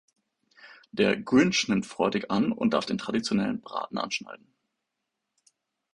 Der Grinch nimmt freudig an und darf den traditionellen Braten anschneiden.